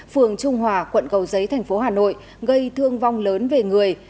phường trung hòa quận cầu giấy thành phố hà nội gây thương vong lớn về người